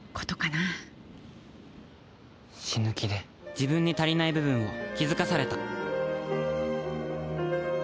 自分に足りない部分を気付かされた